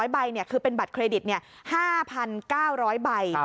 ใบคือเป็นบัตรเครดิต๕๙๐๐ใบ